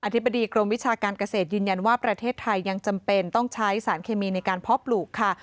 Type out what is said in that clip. ธิบดีกรมวิชาการเกษตรยืนยันว่าประเทศไทยยังจำเป็นต้องใช้สารเคมีในการเพาะปลูกค่ะ